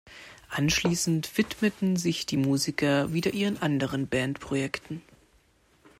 Anschließend widmeten sich die Musiker wieder ihren anderen Bandprojekten.